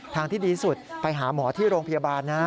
ทางที่ดีสุดไปหาหมอที่โรงพยาบาลนะ